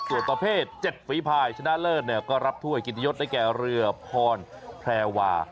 ต่อเพศ๗ฝีพายชนะเลิศเนี่ยก็รับถ้วยกินยศได้แก่เรือพรแพวา